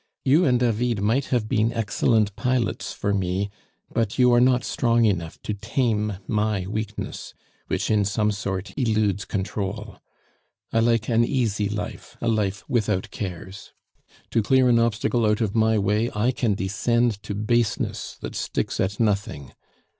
You and David might have been excellent pilots for me, but you are not strong enough to tame my weakness, which in some sort eludes control. I like an easy life, a life without cares; to clear an obstacle out of my way I can descend to baseness that sticks at nothing.